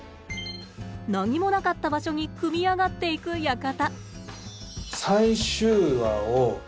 何もなかった場所に組み上がっていく館。